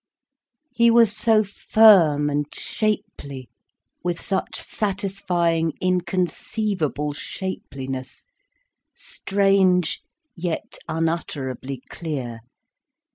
He was so firm, and shapely, with such satisfying, inconceivable shapeliness, strange, yet unutterably clear.